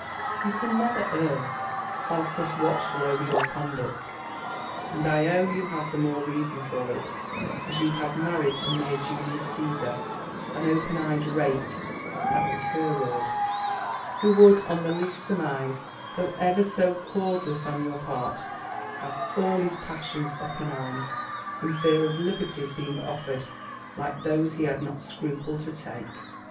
You can never err, whilst thus watchful over your conduct: and I own you have the more reason for it, as you have married a mere Julius Caesar, an open eyed rake" (that was her word), "who would, on the least surmise, though ever so causeless on your part, have all his passions up in arms, in fear of liberties being offered like those he has not scrupled to take."